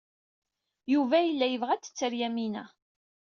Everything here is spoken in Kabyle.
Yuba yella yebɣa ad t-ter Yamina.